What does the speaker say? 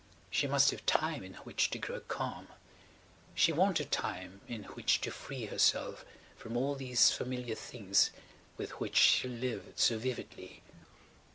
She must have time in which to grow calm. She wanted time in which to free herself from all these familiar things with which she lived so vividly.